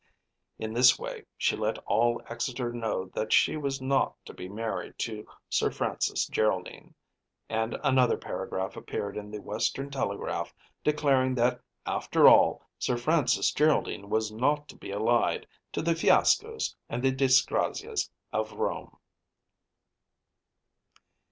In this way she let all Exeter know that she was not to be married to Sir Francis Geraldine; and another paragraph appeared in the "Western Telegraph," declaring that after all Sir Francis Geraldine was not to be allied to the Fiascos and Disgrazias of Rome.